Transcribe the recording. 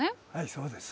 そうです。